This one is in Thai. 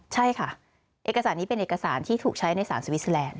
ใช่ค่ะเอกสารนี้เป็นเอกสารที่ถูกใช้ในสารสวิสเตอร์แลนด